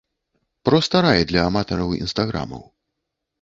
Проста рай для аматараў інстаграмаў.